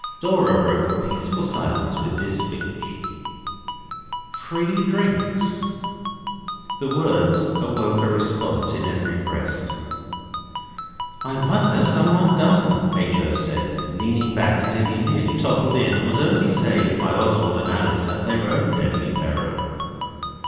Dora broke a peaceful silence with this speech 'Free drinks.' The words awoke a response in every breast. 'I wonder someone doesn't,' H. O. said, leaning back till he nearly toppled in, and was only saved by Oswald and Alice at their own deadly peril.